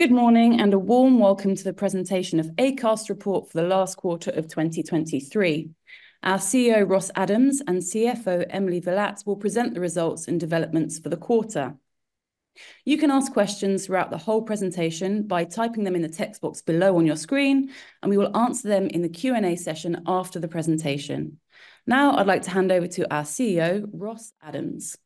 Good morning, and a warm welcome to the Presentation of Acast Report for the Last Quarter of 2023. Our CEO, Ross Adams, and CFO, Emily Villatte, will present the results and developments for the quarter. You can ask questions throughout the whole presentation by typing them in the text box below on your screen, and we will answer them in the Q&A session after the presentation. Now, I'd like to hand over to our CEO, Ross Adams.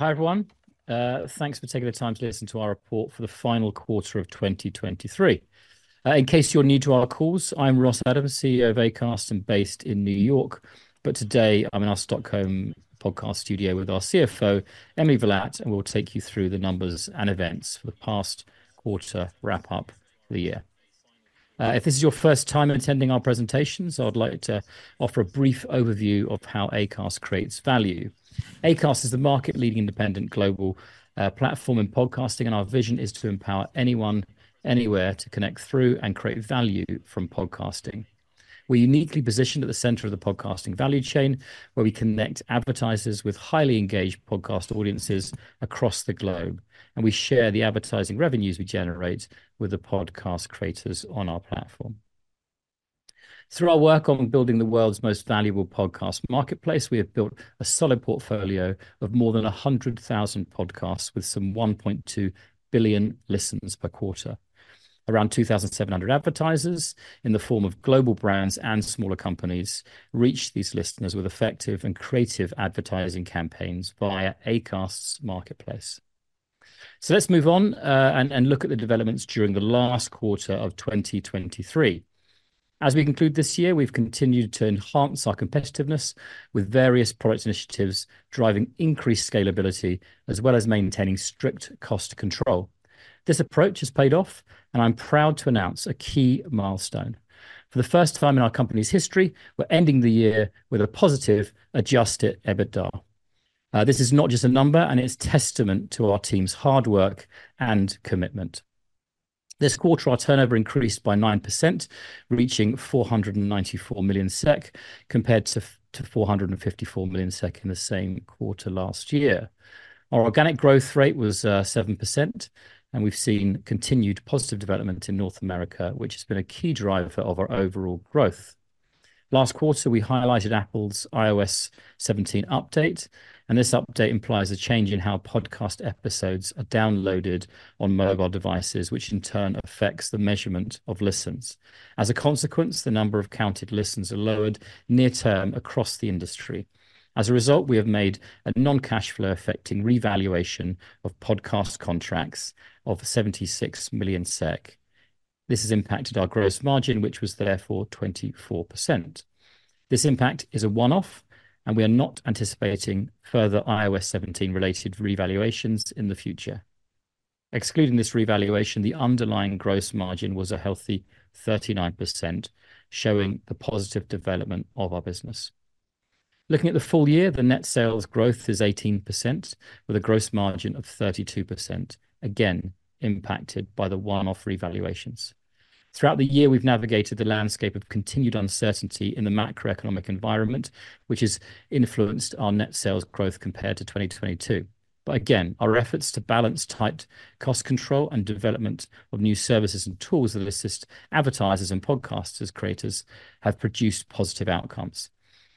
Hi, everyone. Thanks for taking the time to listen to our report for the final quarter of 2023. In case you're new to our calls, I'm Ross Adams, CEO of Acast, and based in New York. But today, I'm in our Stockholm podcast studio with our CFO, Emily Villatte, and we'll take you through the numbers and events for the past quarter, wrap up the year. If this is your first time attending our presentations, I would like to offer a brief overview of how Acast creates value. Acast is the market-leading independent global platform in podcasting, and our vision is to empower anyone, anywhere, to connect through and create value from podcasting. We're uniquely positioned at the center of the podcasting value chain, where we connect advertisers with highly engaged podcast audiences across the globe, and we share the advertising revenues we generate with the podcast creators on our platform. Through our work on building the world's most valuable podcast marketplace, we have built a solid portfolio of more than 100,000 podcasts, with some 1.2 billion listens per quarter. Around 2,700 advertisers, in the form of global brands and smaller companies, reach these listeners with effective and creative advertising campaigns via Acast's marketplace. So let's move on and look at the developments during the last quarter of 2023. As we conclude this year, we've continued to enhance our competitiveness with various product initiatives, driving increased scalability, as well as maintaining strict cost control. This approach has paid off, and I'm proud to announce a key milestone. For the first time in our company's history, we're ending the year with a positive adjusted EBITDA. This is not just a number, and it's testament to our team's hard work and commitment. This quarter, our turnover increased by 9%, reaching 494 million SEK, compared to to 454 million SEK in the same quarter last year. Our organic growth rate was, seven percent, and we've seen continued positive development in North America, which has been a key driver of our overall growth. Last quarter, we highlighted Apple's iOS 17 update, and this update implies a change in how podcast episodes are downloaded on mobile devices, which in turn affects the measurement of listens. As a consequence, the number of counted listens are lowered near term across the industry. As a result, we have made a non-cash flow effect in revaluation of podcast contracts of 76 million SEK. This has impacted our gross margin, which was therefore 24%. This impact is a one-off, and we are not anticipating further iOS 17-related revaluations in the future. Excluding this revaluation, the underlying gross margin was a healthy 39%, showing the positive development of our business. Looking at the full year, the net sales growth is 18%, with a gross margin of 32%, again, impacted by the one-off revaluations. Throughout the year, we've navigated the landscape of continued uncertainty in the macroeconomic environment, which has influenced our net sales growth compared to 2022. But again, our efforts to balance tight cost control and development of new services and tools that assist advertisers and podcasters, creators, have produced positive outcomes.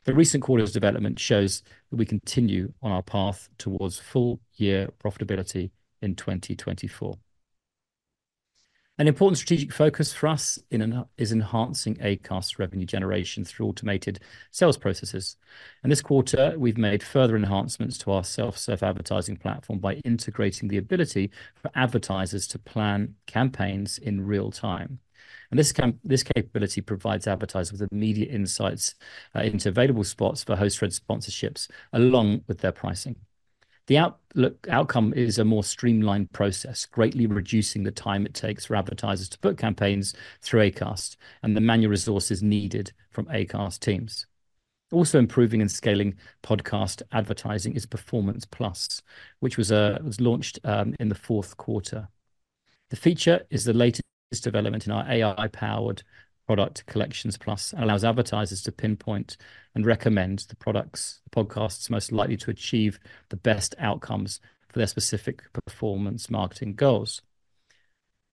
The recent quarter's development shows that we continue on our path towards full year profitability in 2024. An important strategic focus for us is enhancing Acast's revenue generation through automated sales processes. And this quarter, we've made further enhancements to our self-serve advertising platform by integrating the ability for advertisers to plan campaigns in real time. And this capability provides advertisers with immediate insights into available spots for host-read sponsorships, along with their pricing. The outlook outcome is a more streamlined process, greatly reducing the time it takes for advertisers to put campaigns through Acast, and the manual resources needed from Acast teams. Also, improving and scaling podcast advertising is Performance+, which was launched in the fourth quarter. The feature is the latest development in our AI-powered product, Collections+, and allows advertisers to pinpoint and recommend the products, podcasts most likely to achieve the best outcomes for their specific performance marketing goals.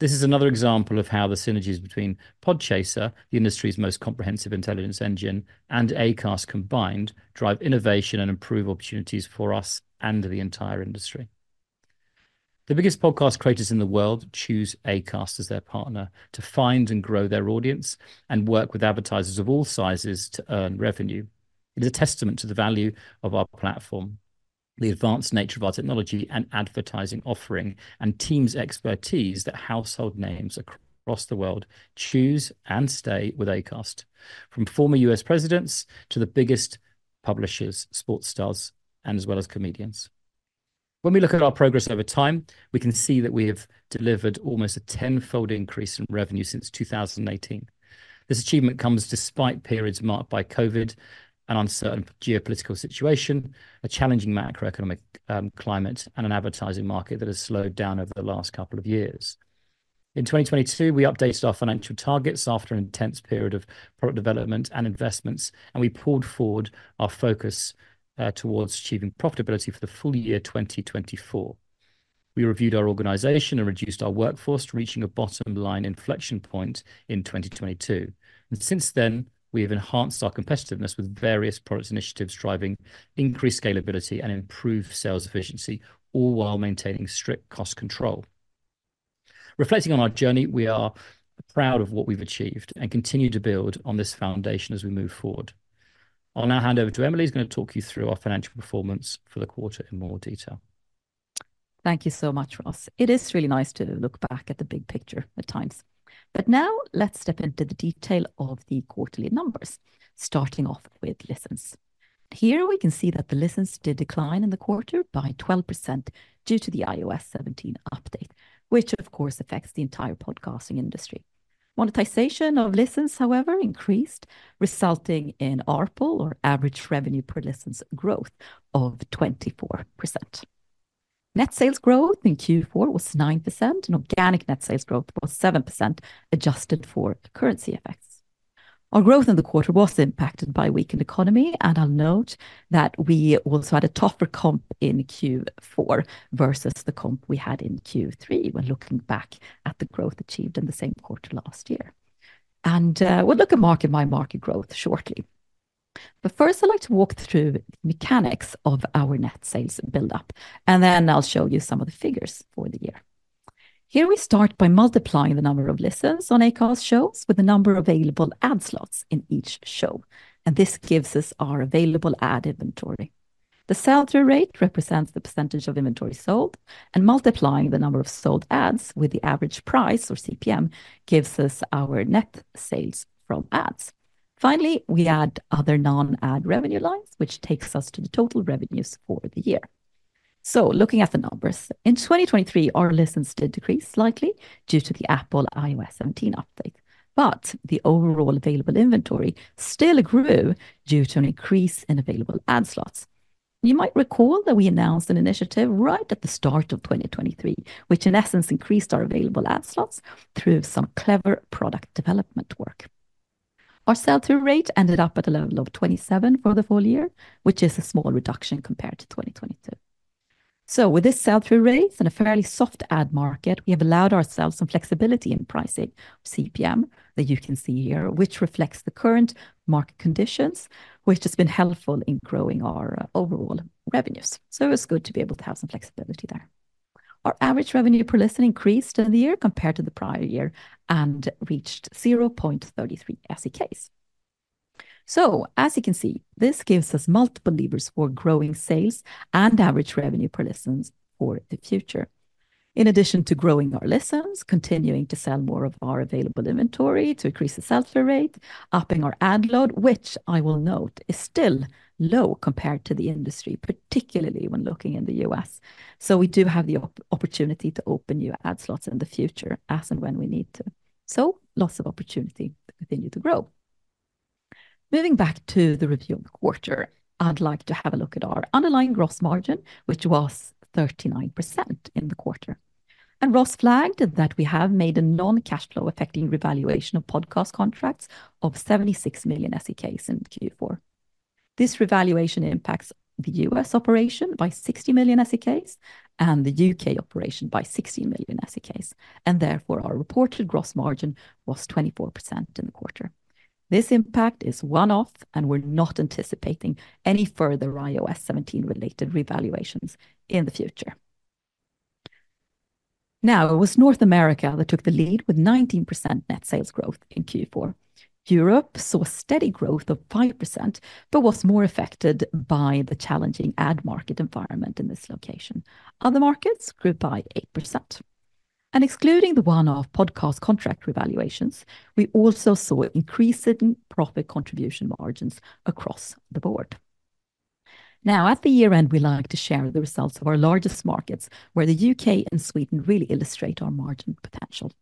This is another example of how the synergies between Podchaser, the industry's most comprehensive intelligence engine, and Acast combined, drive innovation and improve opportunities for us and the entire industry. The biggest podcast creators in the world choose Acast as their partner to find and grow their audience and work with advertisers of all sizes to earn revenue. It is a testament to the value of our platform, the advanced nature of our technology and advertising offering and team's expertise that household names across the world choose and stay with Acast, from former U.S. presidents to the biggest publishers, sports stars, and as well as comedians. When we look at our progress over time, we can see that we have delivered almost a tenfold increase in revenue since 2018. This achievement comes despite periods marked by COVID and uncertain geopolitical situation, a challenging macroeconomic climate, and an advertising market that has slowed down over the last couple of years. In 2022, we updated our financial targets after an intense period of product development and investments, and we pulled forward our focus towards achieving profitability for the full year 2024. We reviewed our organization and reduced our workforce, reaching a bottom-line inflection point in 2022. Since then, we have enhanced our competitiveness with various products initiatives, driving increased scalability and improved sales efficiency, all while maintaining strict cost control. Reflecting on our journey, we are proud of what we've achieved and continue to build on this foundation as we move forward. I'll now hand over to Emily, who's going to talk you through our financial performance for the quarter in more detail. Thank you so much, Ross. It is really nice to look back at the big picture at times. But now let's step into the detail of the quarterly numbers, starting off with listens. Here, we can see that the listens did decline in the quarter by 12% due to the iOS 17 update, which of course affects the entire podcasting industry. Monetization of listens however increased resulting in ARPU or Average Revenue Per Listen growth of 24%. Net sales growth in Q4 was 9%, and organic net sales growth was 7%, adjusted for currency effects. Our growth in the quarter was impacted by a weakened economy, and I'll note that we also had a tougher comp in Q4 versus the comp we had in Q3 when looking back at the growth achieved in the same quarter last year. We'll look at market by market growth shortly. But first, I'd like to walk through the mechanics of our net sales build-up, and then I'll show you some of the figures for the year. Here we start by multiplying the number of listens on Acast shows with the number of available ad slots in each show, and this gives us our available ad inventory. The sell-through rate represents the percentage of inventory sold, and multiplying the number of sold ads with the average price or CPM, gives us our net sales from ads. Finally, we add other non-ad revenue lines, which takes us to the total revenues for the year. So looking at the numbers, in 2023, our listens did decrease slightly due to the Apple iOS 17 update, but the overall available inventory still grew due to an increase in available ad slots. You might recall that we announced an initiative right at the start of 2023, which in essence increased our available ad slots through some clever product development work. Our sell-through rate ended up at a level of 27 for the full year, which is a small reduction compared to 2022. So with this sell-through rate and a fairly soft ad market, we have allowed ourselves some flexibility in pricing CPM that you can see here, which reflects the current market conditions, which has been helpful in growing our overall revenues. So it's good to be able to have some flexibility there. Our average revenue per listen increased in the year compared to the prior year and reached 0.33 SEK. So as you can see, this gives us multiple levers for growing sales and average revenue per listens for the future. In addition to growing our listens, continuing to sell more of our available inventory to increase the sell-through rate, upping our ad load, which I will note, is still low compared to the industry, particularly when looking in the U.S. So we do have the opportunity to open new ad slots in the future as and when we need to. So lots of opportunity continue to grow. Moving back to the review quarter, I'd like to have a look at our underlying gross margin, which was 39% in the quarter. And Ross flagged that we have made a non-cash flow affecting revaluation of podcast contracts of 76 million SEK in Q4. This revaluation impacts the U.S. operation by 60 million SEK and the U.K. operation by 16 million SEK, and therefore, our reported gross margin was 24% in the quarter. This impact is one-off, and we're not anticipating any further iOS 17 related revaluations in the future. Now, it was North America that took the lead with 19% net sales growth in Q4. Europe saw a steady growth of 5%, but was more affected by the challenging ad market environment in this location. Other markets grew by 8%, and excluding the one-off podcast contract revaluations, we also saw an increase in profit contribution margins across the board. Now, at the year-end, we like to share the results of our largest markets, where the U.K. and Sweden really illustrate our margin potential.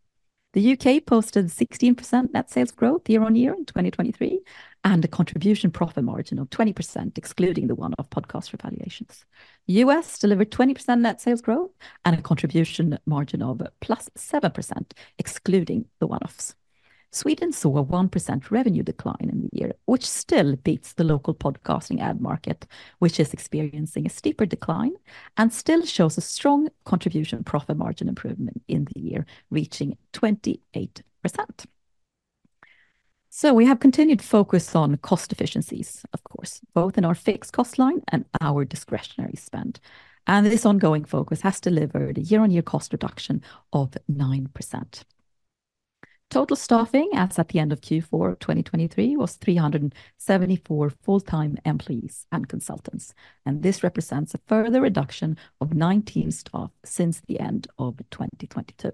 The U.K. posted 16% net sales growth year-on-year in 2023, and a contribution profit margin of 20%, excluding the one-off podcast revaluations. U.S. delivered 20% net sales growth and a contribution margin of +7%, excluding the one-offs. Sweden saw a 1% revenue decline in the year, which still beats the local podcasting ad market, which is experiencing a steeper decline, and still shows a strong contribution profit margin improvement in the year, reaching 28%. So we have continued focus on cost efficiencies, of course, both in our fixed cost line and our discretionary spend, and this ongoing focus has delivered a year-on-year cost reduction of 9%. Total staffing as at the end of Q4 of 2023 was 374 full-time employees and consultants, and this represents a further reduction of 19 staff since the end of 2022.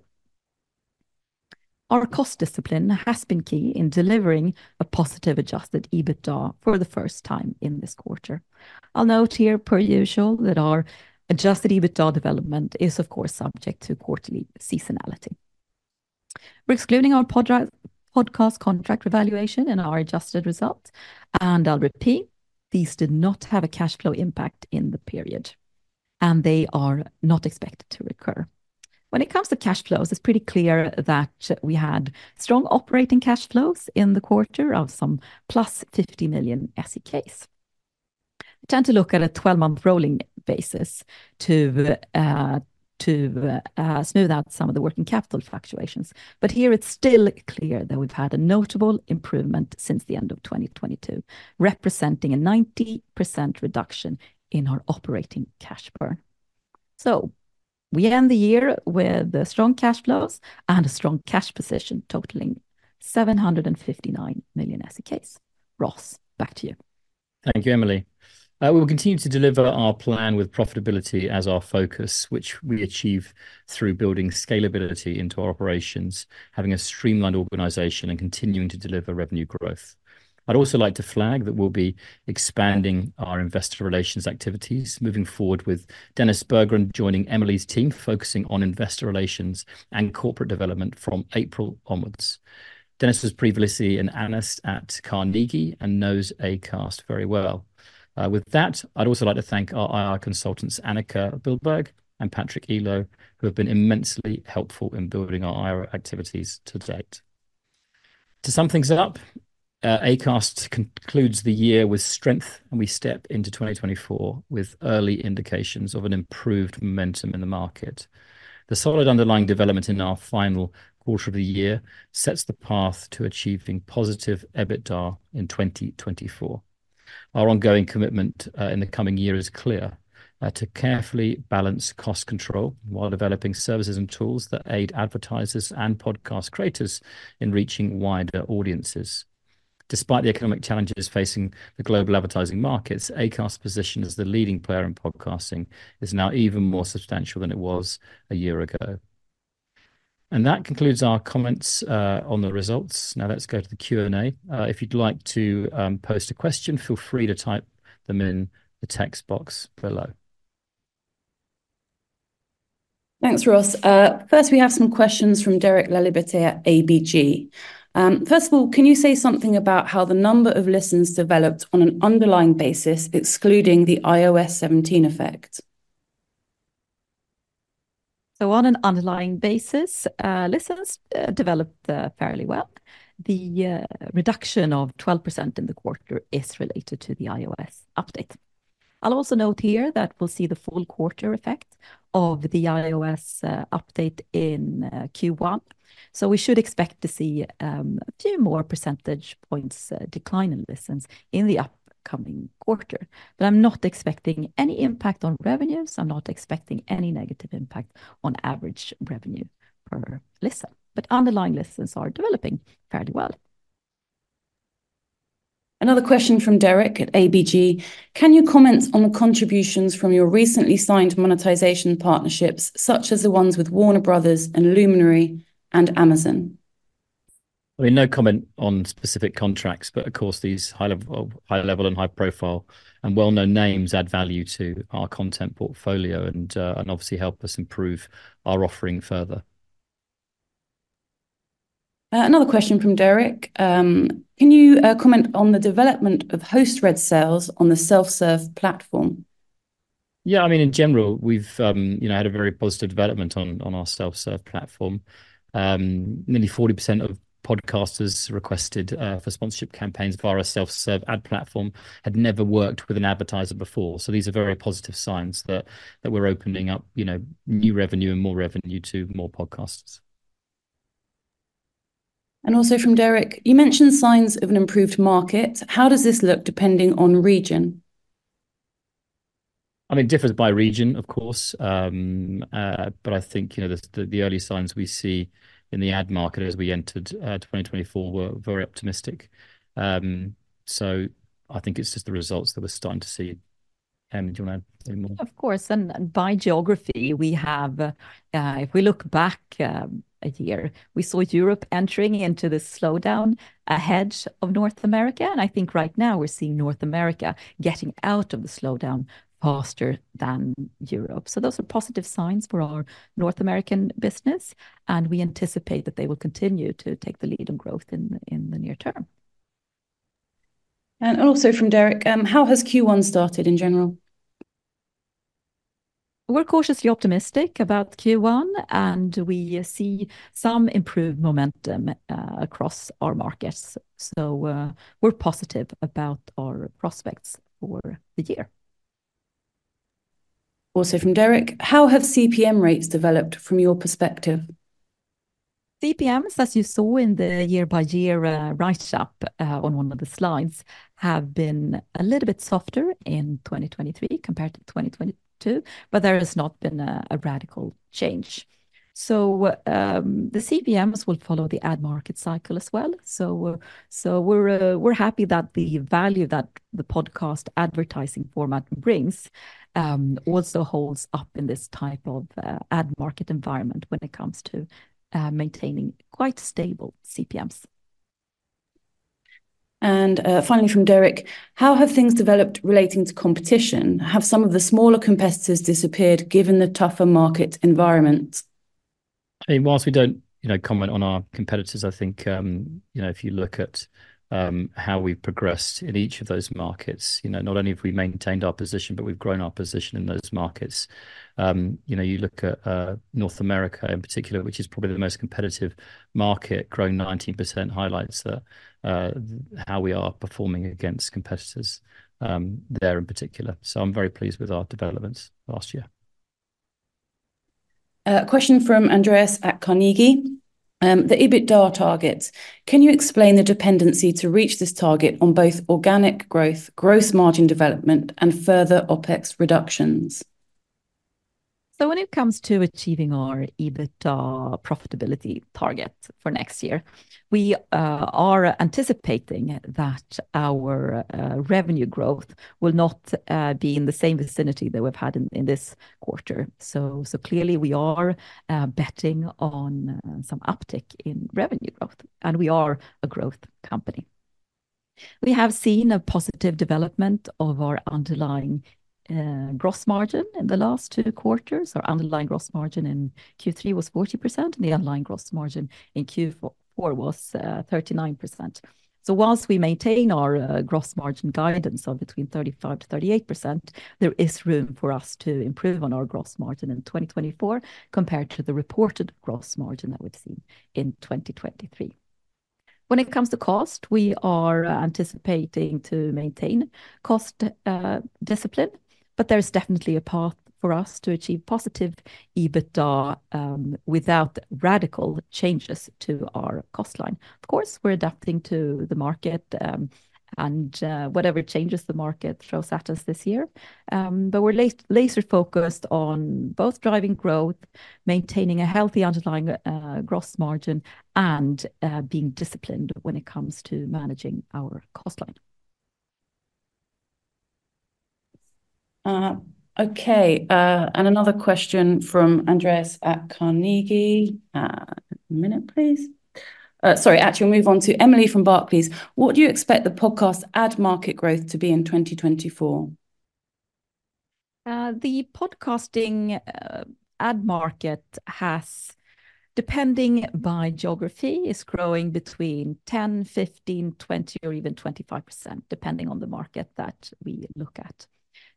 Our cost discipline has been key in delivering a positive adjusted EBITDA for the first time in this quarter. I'll note here, per usual, that our adjusted EBITDA development is, of course, subject to quarterly seasonality. We're excluding our podcast contract revaluation in our adjusted results, and I'll repeat, these did not have a cash flow impact in the period, and they are not expected to recur. When it comes to cash flows, it's pretty clear that we had strong operating cash flows in the quarter of some +50 million SEK. We tend to look at a twelve-month rolling basis to smooth out some of the working capital fluctuations, but here it's still clear that we've had a notable improvement since the end of 2022, representing a 90% reduction in our operating cash burn. So we end the year with strong cash flows and a strong cash position totaling 759 million SEK. Ross, back to you. Thank you, Emily. We will continue to deliver our plan with profitability as our focus, which we achieve through building scalability into our operations, having a streamlined organization, and continuing to deliver revenue growth. I'd also like to flag that we'll be expanding our investor relations activities, moving forward with Dennis Berggren joining Emily's team, focusing on investor relations and corporate development from April onwards. Dennis was previously an analyst at Carnegie and knows Acast very well. With that, I'd also like to thank our IR consultants, Annika Billberg and Patrick Elo, who have been immensely helpful in building our IR activities to date. To sum things up, Acast concludes the year with strength, and we step into 2024 with early indications of an improved momentum in the market. The solid underlying development in our final quarter of the year sets the path to achieving positive EBITDA in 2024. Our ongoing commitment in the coming year is clear to carefully balance cost control while developing services and tools that aid advertisers and podcast creators in reaching wider audiences. Despite the economic challenges facing the global advertising markets, Acast's position as the leading player in podcasting is now even more substantial than it was a year ago. And that concludes our comments on the results. Now let's go to the Q&A. If you'd like to post a question, feel free to type them in the text box below. Thanks, Ross. First, we have some questions from Derek Laliberte at ABG. First of all, can you say something about how the number of listens developed on an underlying basis, excluding the iOS 17 effect? So on an underlying basis, listens developed fairly well. The reduction of 12% in the quarter is related to the iOS update. I'll also note here that we'll see the full quarter effect of the iOS update in Q1, so we should expect to see a few more percentage points decline in listens in the upcoming quarter. But I'm not expecting any impact on revenues. I'm not expecting any negative impact on average revenue per listen, but underlying listens are developing fairly well. Another question from Derek at ABG: "Can you comment on the contributions from your recently signed monetization partnerships, such as the ones with Warner Brothers, and Luminary, and Amazon? I mean, no comment on specific contracts, but of course, these high level, high level and high profile and well-known names add value to our content portfolio and, and obviously help us improve our offering further. Another question from Derek, can you comment on the development of host-read sales on the self-serve platform? Yeah, I mean, in general, we've, you know, had a very positive development on our self-serve platform. Nearly 40% of podcasters requested for sponsorship campaigns via our self-serve ad platform had never worked with an advertiser before. So these are very positive signs that we're opening up, you know, new revenue and more revenue to more podcasters. And also from Derek, you mentioned signs of an improved market. How does this look depending on region? I mean, it differs by region, of course. But I think, you know, the early signs we see in the ad market as we entered 2024 were very optimistic. So I think it's just the results that we're starting to see in-... do you want to say more? Of course, and by geography, we have, if we look back, a year, we saw Europe entering into this slowdown ahead of North America, and I think right now we're seeing North America getting out of the slowdown faster than Europe. So those are positive signs for our North American business, and we anticipate that they will continue to take the lead on growth in the near term. And also from Derek, how has Q1 started in general? We're cautiously optimistic about Q1, and we see some improved momentum across our markets. So, we're positive about our prospects for the year. Also from Derek, how have CPM rates developed from your perspective? CPMs, as you saw in the year-by-year write-up on one of the slides, have been a little bit softer in 2023 compared to 2022, but there has not been a radical change. So, the CPMs will follow the ad market cycle as well. So, we're happy that the value that the podcast advertising format brings also holds up in this type of ad market environment when it comes to maintaining quite stable CPMs. Finally, from Derek, how have things developed relating to competition? Have some of the smaller competitors disappeared, given the tougher market environment? Hey, while we don't, you know, comment on our competitors, I think, you know, if you look at how we've progressed in each of those markets, you know, not only have we maintained our position, but we've grown our position in those markets. You know, you look at North America in particular, which is probably the most competitive market, growing 19% highlights how we are performing against competitors there in particular. So I'm very pleased with our developments last year. A question from Andreas at Carnegie. The EBITDA targets, can you explain the dependency to reach this target on both organic growth, gross margin development, and further OpEx reductions? So when it comes to achieving our EBITDA profitability target for next year, we are anticipating that our revenue growth will not be in the same vicinity that we've had in this quarter. So clearly we are betting on some uptick in revenue growth, and we are a growth company. We have seen a positive development of our underlying gross margin in the last two quarters. Our underlying gross margin in Q3 was 40%, and the underlying gross margin in Q4 was 39%. So whilst we maintain our gross margin guidance of between 35% to 38%, there is room for us to improve on our gross margin in 2024, compared to the reported gross margin that we've seen in 2023. When it comes to cost, we are anticipating to maintain cost discipline, but there's definitely a path for us to achieve positive EBITDA without radical changes to our cost line. Of course, we're adapting to the market and whatever changes the market throws at us this year. But we're laser-focused on both driving growth, maintaining a healthy underlying gross margin, and being disciplined when it comes to managing our cost line. Okay, and another question from Andreas at Carnegie. A minute, please. Sorry, actually, we'll move on to Emily from Barclays. What do you expect the podcast ad market growth to be in 2024? The podcasting ad market has, depending by geography, is growing between 10, 15, 20, or even 25%, depending on the market that we look at.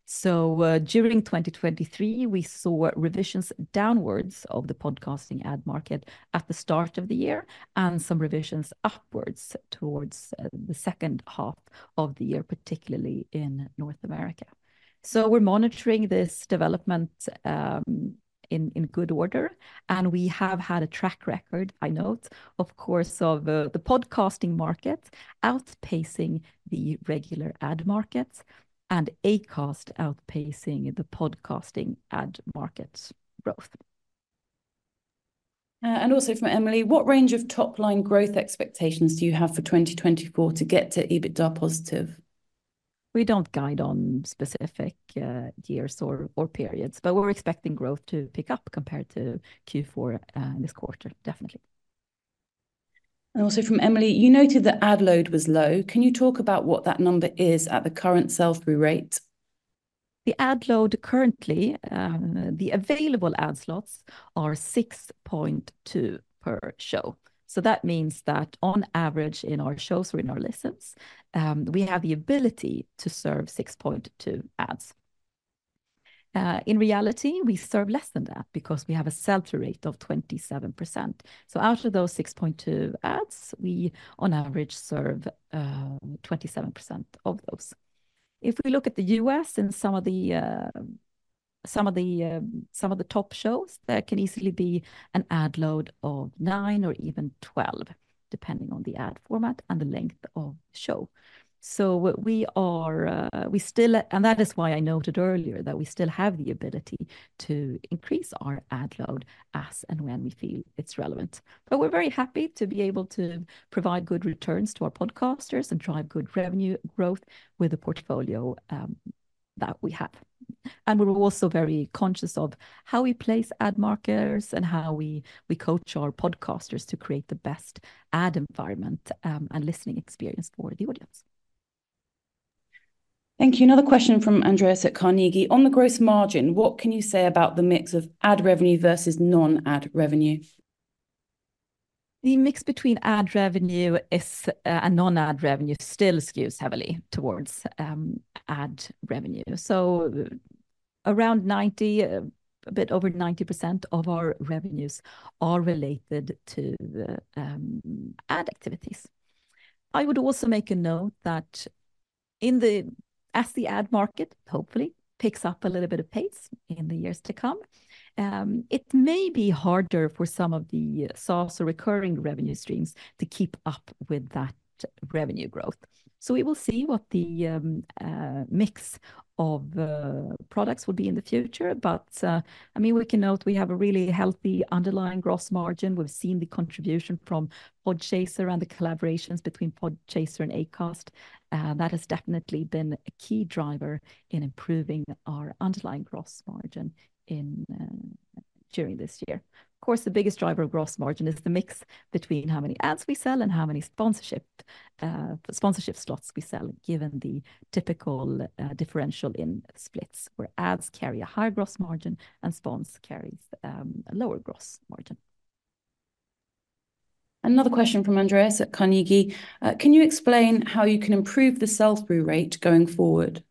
So, during 2023, we saw revisions downwards of the podcasting ad market at the start of the year, and some revisions upwards towards the second half of the year, particularly in North America. So we're monitoring this development in good order, and we have had a track record, I note, of course, of the podcasting market outpacing the regular ad markets and Acast outpacing the podcasting ad markets growth. Also for Emily, what range of top-line growth expectations do you have for 2024 to get to EBITDA positive? We don't guide on specific years or periods, but we're expecting growth to pick up compared to Q4 this quarter, definitely. And also for Emily, you noted that ad load was low. Can you talk about what that number is at the current sell-through rate? The ad load currently, the available ad slots are 6.2 per show. So that means that on average in our shows or in our listens, we have the ability to serve 6.2 ads. In reality, we serve less than that because we have a sell-through rate of 27%. So out of those 6.2 ads, we on average serve 27% of those. If we look at the U.S. and some of the top shows, there can easily be an ad load of 9 or even 12, depending on the ad format and the length of the show. And that is why I noted earlier that we still have the ability to increase our ad load as and when we feel it's relevant. But we're very happy to be able to provide good returns to our podcasters and drive good revenue growth with the portfolio that we have, and we're also very conscious of how we place ad markers and how we coach our podcasters to create the best ad environment and listening experience for the audience. Thank you. Another question from Andreas at Carnegie, on the gross margin, what can you say about the mix of ad revenue versus non-ad revenue? The mix between ad revenue and non-ad revenue still skews heavily towards, ad revenue. So around 90, a bit over 90% of our revenues are related to the, ad activities. I would also make a note that as the ad market hopefully picks up a little bit of pace in the years to come, it may be harder for some of the SaaS or recurring revenue streams to keep up with that revenue growth. So we will see what the mix of products will be in the future. But, I mean, we can note we have a really healthy underlying gross margin. We've seen the contribution from Podchaser and the collaborations between Podchaser and Acast. That has definitely been a key driver in improving our underlying gross margin during this year. Of course, the biggest driver of gross margin is the mix between how many ads we sell and how many sponsorship slots we sell, given the typical differential in splits, where ads carry a higher gross margin and spons carries a lower gross margin. Another question from Andreas Joelsson at Carnegie, can you explain how you can improve the sell-through rate going forward?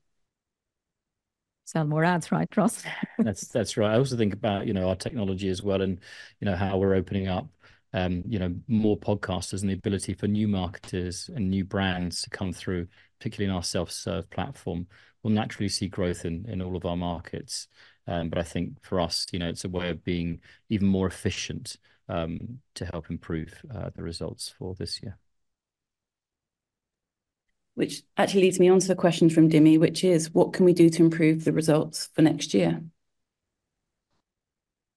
Sell more ads, right, Ross? That's right. I also think about, you know, our technology as well, and you know, how we're opening up, you know, more podcasters and the ability for new marketers and new brands to come through, particularly in our self-serve platform. We'll naturally see growth in all of our markets, but I think for us, you know, it's a way of being even more efficient, to help improve the results for this year. Which actually leads me on to the question from Dimi, which is, what can we do to improve the results for next year?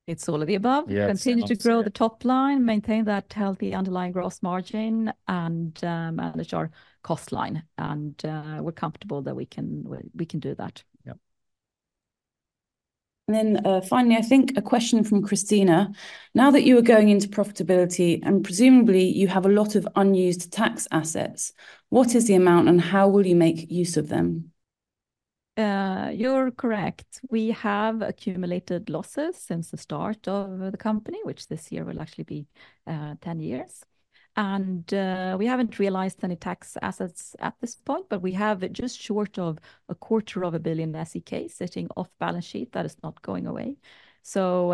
It's all of the above. Yeah. Continue to grow the top line, maintain that healthy underlying gross margin, and manage our cost line. And we're comfortable that we can do that. Yep. Then, finally, I think a question from Christina, now that you are going into profitability and presumably you have a lot of unused tax assets, what is the amount, and how will you make use of them? You're correct. We have accumulated losses since the start of the company, which this year will actually be 10 years. We haven't realized any tax assets at this point, but we have just short of 250 million SEK sitting off balance sheet. That is not going away. So,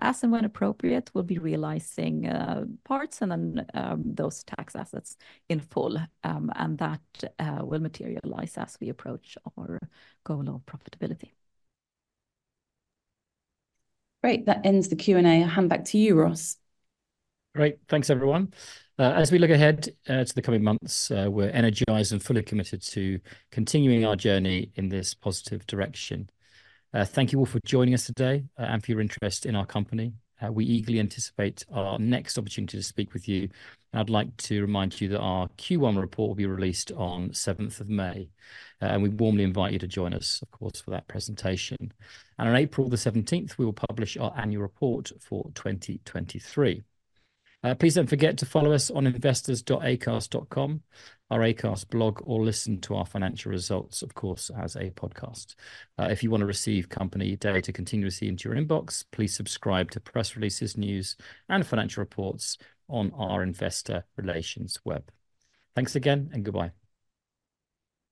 as and when appropriate, we'll be realizing parts and then those tax assets in full, and that will materialize as we approach our goal of profitability. Great. That ends the Q&A. I'll hand back to you, Ross. Great. Thanks, everyone. As we look ahead to the coming months, we're energized and fully committed to continuing our journey in this positive direction. Thank you all for joining us today and for your interest in our company. We eagerly anticipate our next opportunity to speak with you. I'd like to remind you that our Q1 report will be released on the seventh of May, and we warmly invite you to join us, of course, for that presentation. On April the seventeenth, we will publish our annual report for 2023. Please don't forget to follow us on investors.acast.com, our Acast blog, or listen to our financial results, of course, as a podcast. If you want to receive company data continuously into your inbox, please subscribe to press releases, news, and financial reports on our investor relations web. Thanks again, and goodbye.